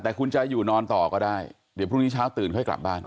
แต่คุณจะอยู่นอนต่อก็ได้เดี๋ยวพรุ่งนี้เช้าตื่นค่อยกลับบ้าน